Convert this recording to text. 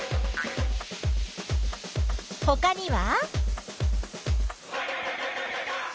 ほかには？